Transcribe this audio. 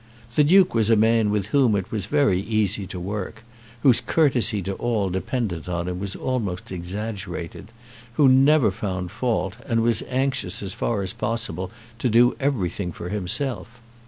The Duke was a man with whom it was very easy to work, whose courtesy to all dependent on him was almost exaggerated, who never found fault, and was anxious as far as possible to do everything for himself.